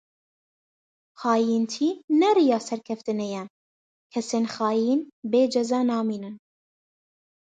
Xayîntî ne riya serkeftinê ye, kesên xayîn bê ceza namînin.